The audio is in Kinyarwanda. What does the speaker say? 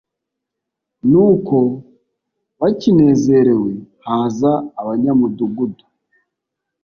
Nuko bakinezerewe haza abanyamudugudu